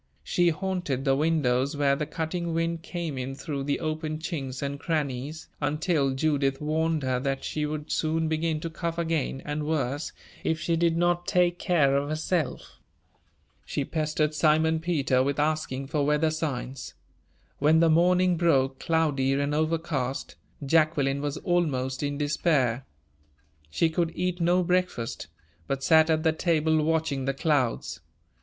She haunted the windows where the cutting wind came in through the open chinks and crannies, until Judith warned her that she would soon begin to cough again, and worse, if she did not take care of herself. She pestered Simon Peter with asking for weather signs. When the morning broke, cloudy and overcast, Jacqueline was almost in despair; she could eat no breakfast, but sat at the table watching the clouds.